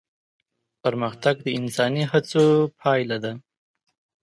پرمختګ د انساني هڅو پايله ده.